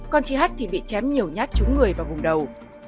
còn chị hát thì bị chém nhiều nhát trúng người vào vùng đầu